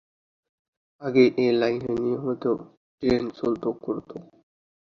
আগে এ লাইনে নিয়মিত ট্রেন চলত করতো।